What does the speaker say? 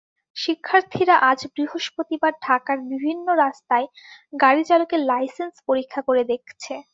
শিক্ষার্থীরা আজ বৃহস্পতিবার ঢাকার বিভিন্ন রাস্তায় গাড়িচালকের লাইসেন্স পরীক্ষা করে দেখছে।